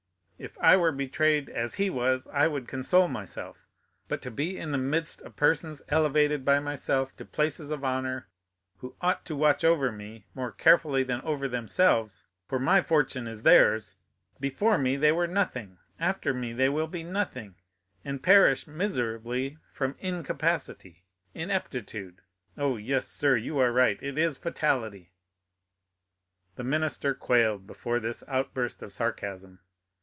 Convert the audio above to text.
If I were betrayed as he was, I would console myself; but to be in the midst of persons elevated by myself to places of honor, who ought to watch over me more carefully than over themselves,—for my fortune is theirs—before me they were nothing—after me they will be nothing, and perish miserably from incapacity—ineptitude! Oh, yes, sir, you are right—it is fatality!" The minister quailed before this outburst of sarcasm.